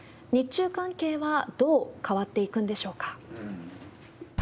日中関係はどう変わっていくんでしょうか。